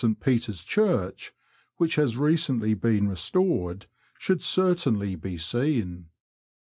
St Peter's Church (which has recently been restored) should certainly be seen.